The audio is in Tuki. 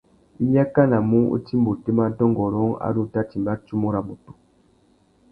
I yakanamú u timba otémá dôngôrông ari u tà timba tsumu râ mutu.